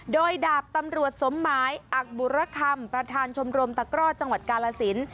โดยดาบตำรวจสมหมายอักบุรคำประธานชมรมตะกร่อจังหวัดกาลสิน